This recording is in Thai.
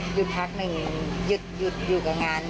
อยู่พักหนึ่งหยุดอยู่กับงาน